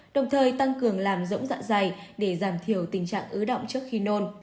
đồng thời tăng cường làm rỗng dạ dày để giảm thiểu tình trạng ứ động trước khi nôn